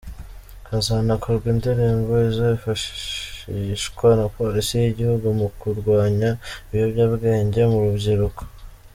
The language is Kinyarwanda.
Hazanakorwa indirimbo izifashishwa na Polisi y’igihugu mu kurwanya ibiyobyabwenge mu rubyiruko.